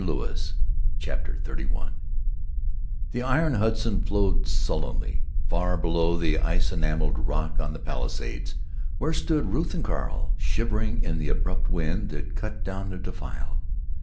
CHAPTER XXXI he iron Hudson flowed sullenly, far below the ice enameled rock on the Palisades, where stood Ruth and Carl, shivering in the abrupt wind that cut down the defile.